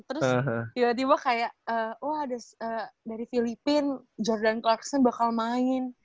terus tiba tiba kayak oh ada dari filipina jordan klakson bakal main